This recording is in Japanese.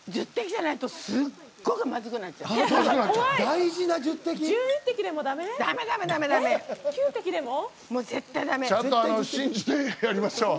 １０滴じゃないとすっごくまずくなっちゃう！